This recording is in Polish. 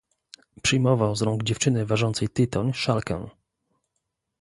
"Przyjmował z rąk dziewczyny ważącej tytoń szalkę."